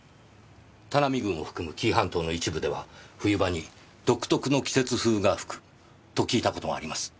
田波郡を含む紀伊半島の一部では冬場に独特の季節風が吹くと聞いたことがあります。